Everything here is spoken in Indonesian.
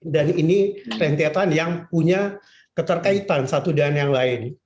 dan ini rentetan yang punya keterkaitan satu dengan yang lain